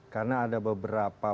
karena ada beberapa